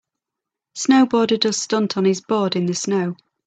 Snowboarder does stunt on his board in the snow.